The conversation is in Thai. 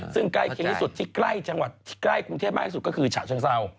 ซึ่งใกล้ที่ใกล้จังหวัดที่ใกล้กรุงเทพมากที่สุดก็คือฉาชังเศร้า